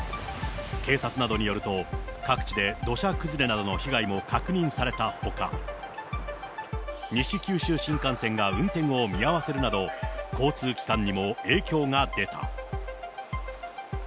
警察などによると、各地で土砂崩れなどの被害も確認されたほか、西九州新幹線が運転を見合わせるなど、交通機関にも影響が出た。